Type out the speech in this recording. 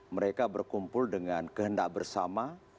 mereka berkumpul dengan kehendak bersama